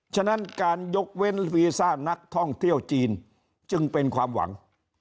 ฉะนั้นการยกเว้นวีซ่านักท่องเที่ยวจีนจึงเป็นความหวัง